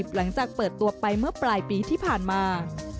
หลังจากเปิดตัวไปเมื่อปลายปีที่ผ่านมา